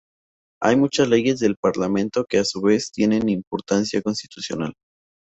Hay muchas leyes del Parlamento que a su vez tienen importancia constitucional.